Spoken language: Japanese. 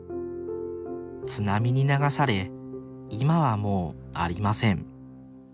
津波に流され今はもうありません。